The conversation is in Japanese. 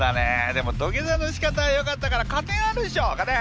でも土下座のしかたはよかったから加点あるでしょ加点。